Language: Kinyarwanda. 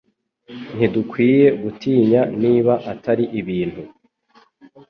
Ntidukwiye gutinya niba atari ibintu